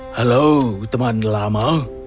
halo teman lama